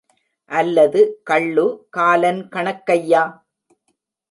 அல்லது கள்ளு காலன் கணக்கையா?